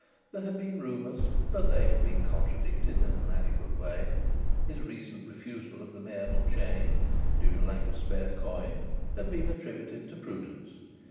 There had been rumours, but they had been contradicted in an adequate way. His recent refusal of the mayoral chain, due to lack of spare coin, had been attributed to prudence.